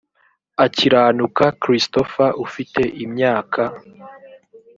akiranuka christopher ufite imyaka